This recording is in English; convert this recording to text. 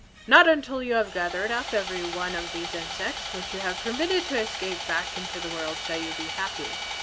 Not until you have gathered up every one of these insects which you have permitted to escape back into the world shall you be happy.